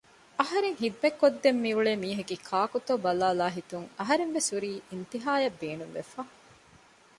އަހަރެން ހިދުމަތް ކޮށްދެން މިއުޅޭ މީހަކީ ކާކުތޯ ބަލާލާހިތުން އަހަރެންވެސް ހުރީ އިންތިހާޔަށް ބޭނުންވެފަ